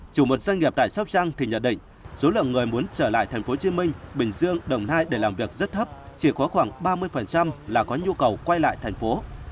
chủ mật doanh nghiệp tại sopchang thì nhận định số lượng người muốn trở lại tp hcm bình dương đồng nai để làm việc rất thấp chỉ có khoảng ba mươi là có nhu cầu quay lại tp hcm